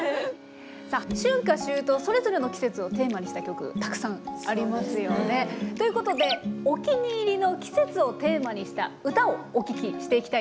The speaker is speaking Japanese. さあ春夏秋冬それぞれの季節をテーマにした曲たくさんありますよね。ということでお気に入りの季節をテーマにした歌をお聞きしていきたいと思います。